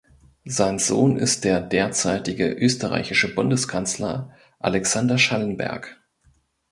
Sein Sohn ist der derzeitige österreichische Bundeskanzler Alexander Schallenberg.